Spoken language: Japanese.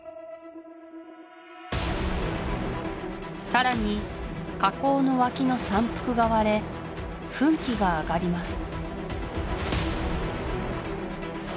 さらに火口の脇の山腹が割れ噴気が上がります